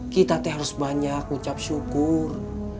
kita teh harus banyak ngucap syukur